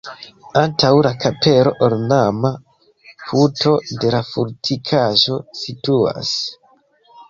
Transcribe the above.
Antaŭ la kapelo ornama puto de la fortikaĵo situas.